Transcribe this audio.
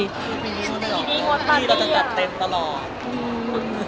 ด้วยยังปลักอย่าง